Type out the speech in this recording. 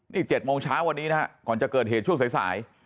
นี่๗โมงเช้าวันนี้นะฮะก่อนจะเกิดเหตุช่วงสาย